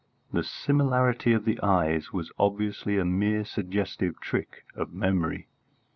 The similarity of the eyes was obviously a mere suggestive trick of memory.